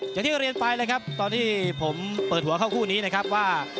อย่างที่เรียนไปเลยครับตอนที่ผมเปิดหัวเข้าคู่นี้นะครับว่า